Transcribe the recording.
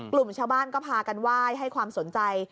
กลุ่มชาวบ้านก็พากันไหว้ให้ความสนใจ